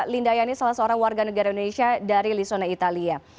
linda yani salah seorang warga negara indonesia dari lisone italia